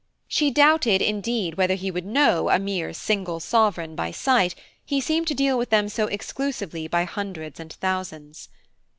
She doubted, indeed, whether he would know a mere single sovereign by sight, he seemed to deal with them so exclusively by hundreds and thousands.